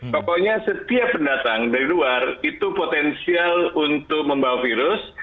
pokoknya setiap pendatang dari luar itu potensial untuk membawa virus